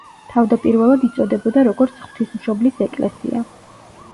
თავდაპირველად იწოდებოდა როგორც ღვთისმშობლის ეკლესია.